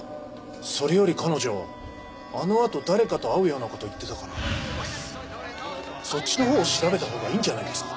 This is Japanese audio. それより彼女あのあと誰かと会うような事を言ってたからそっちのほうを調べたほうがいいんじゃないですか？